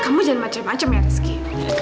kamu jangan macam macam ya rizky